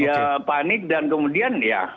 ya panik dan kemudian ya